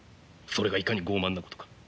それがいかに傲慢なことか。